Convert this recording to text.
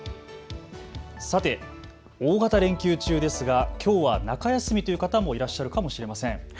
さて大型連休中ですが、きょうは中休みという方もいらっしゃるかもしれません。